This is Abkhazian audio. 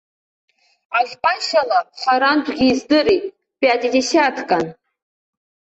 Ажәпашьала харантәгьы издырит, пиатидесиаткан.